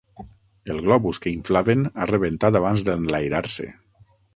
El globus que inflaven ha rebentat abans d'enlairar-se.